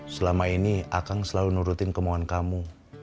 selama ini akan selalu nurutin kemohon kamu